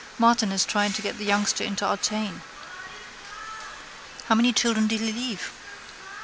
Martin is trying to get the youngster into Artane. —How many children did he leave?